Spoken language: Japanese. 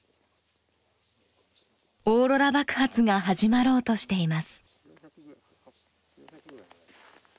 オーロラ爆発が始まろうとしています。